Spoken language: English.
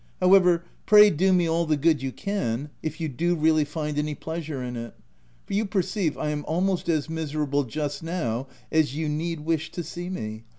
However, pray do me all the good you can, if you do really find any pleasure in it ; for you perceive I am almost as miserable just now as you need wish to see me.